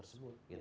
mau tidak mau